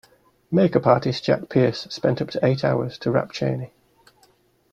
Make-up artist Jack Pierce spent up to eight hours to wrap Chaney.